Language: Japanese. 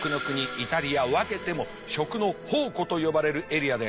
イタリアわけても食の宝庫と呼ばれるエリアであります。